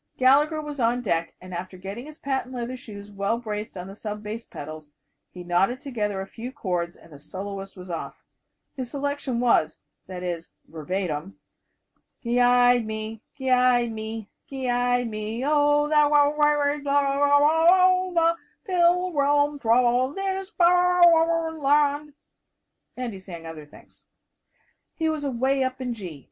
Gallagher was on deck and after getting his patent leather shoes well braced on the sub bass pedals, he knotted together a few chords, and the soloist was off. His selection was that is, verbatim, "Ge yide me, ge yide me, ge yide me, O , Thor or gra ut Jaw aw hars vah, Pi il grum thraw aw this baw aw raw en larnd." And he sang other things. He was away up in G.